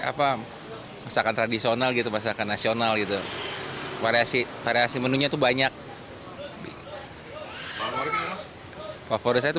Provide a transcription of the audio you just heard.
apa masakan tradisional gitu masakan nasional itu variasi variasi menunya tuh banyak favorit